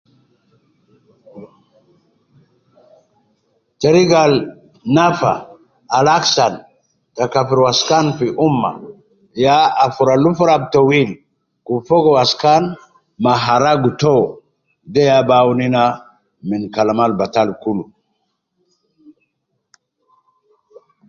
Teriga al nafa, al aksan te kafir waskan fi ummah ya afura lufura ab towil, kub fogo waskan ma haragu to. De ya bi awunu ina min kalama al batal kul.